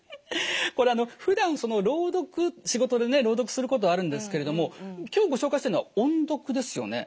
これふだん朗読仕事でね朗読することあるんですけれども今日ご紹介してるのは音読ですよね。